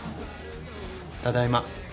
ただいま。